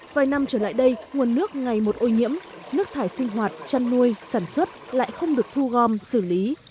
vài năm trở lại đây nguồn nước ngày một ô nhiễm nước thải sinh hoạt chăn nuôi sản xuất lại không được thu gom xử lý